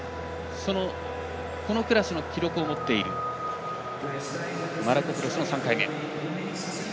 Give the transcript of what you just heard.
このクラスの記録を持っているマラコプロスの３回目。